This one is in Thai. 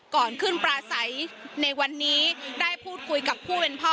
ก่อนขึ้นปลาใสในวันนี้ได้พูดคุยกับผู้เป็นพ่อ